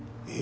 え！